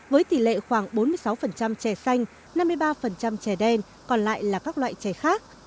với tỷ lệ khoảng bốn mươi sáu chè xanh năm mươi ba trẻ đen còn lại là các loại chè khác